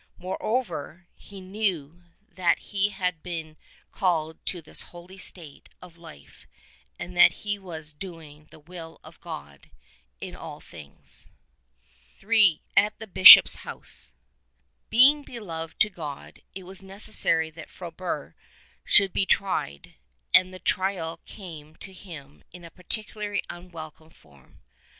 Moreover, he knew that he had been called to this holy state of life and that he was doing the will of God in all things. III. AT THE bishop's HOUSE. Being beloved of God it was necessary that Frobert should be tried, and the trial came to him in a particularly unwel come form.